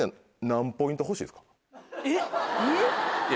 えっ？